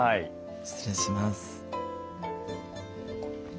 失礼します。